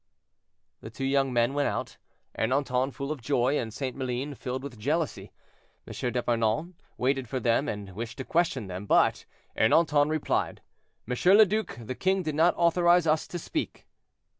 The two young men went out—Ernanton full of joy, and St. Maline filled with jealousy. M. d'Epernon waited for them, and wished to question them, but Ernanton replied: "M. le Duc, the king did not authorize us to speak."